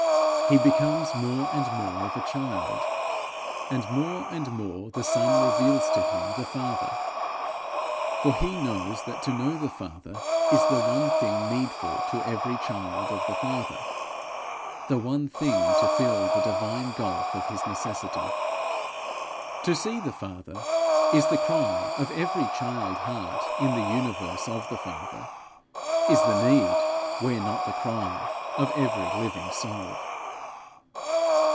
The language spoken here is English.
He becomes more and more of a child, and more and more the Son reveals to him the Father. For he knows that to know the Father is the one thing needful to every child of the Father, the one thing to fill the divine gulf of his necessity. To see the Father is the cry of every child heart in the universe of the Father is the need, where not the cry, of every living soul.